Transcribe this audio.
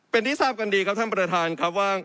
เป็นที่ทราบกันดีครับท่านประธานครับว่า